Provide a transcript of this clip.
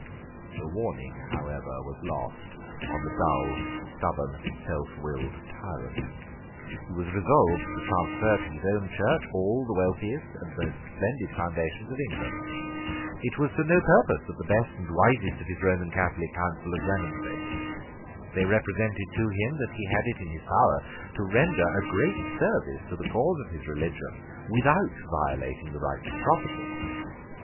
The warning, however, was lost on the dull, stubborn, self willed tyrant. He was resolved to transfer to his own Church all the wealthiest and most splendid foundations of England. It was to no purpose that the best and wisest of his Roman Catholic counsellors remonstrated. They represented to him that he had it in his power to render a great service to the cause of his religion without violating the rights of property.